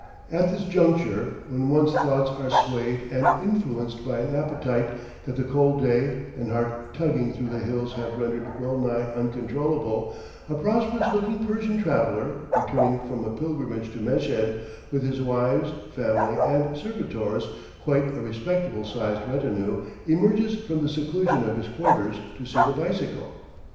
At this juncture, when one's thoughts are swayed and influenced by an appetite that the cold day and hard tugging through the hills have rendered well nigh uncontrollable, a prosperous looking Persian traveller, returning from a pilgrimage to Meshed with his wives, family, and servitors, quite a respectable sized retinue, emerges from the seclusion of his quarters to see the bicycle.